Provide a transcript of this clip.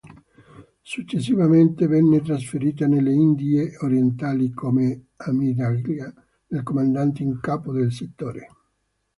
Successivamente, venne trasferita nelle Indie Orientali come ammiraglia del Comandante in Capo del settore.